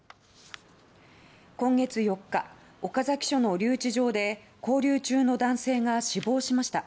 今月４日、岡崎署の留置場で勾留中の男性が死亡しました。